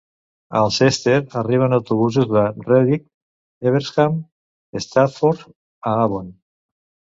A Alcester arriben autobusos de Redditch, Evesham i Stratford a Avon.